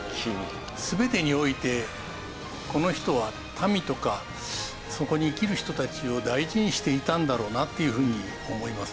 全てにおいてこの人は民とかそこに生きる人たちを大事にしていたんだろうなっていうふうに思いますね。